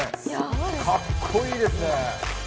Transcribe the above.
かっこいいですね。